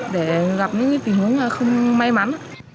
để gặp những tình hướng không may mắn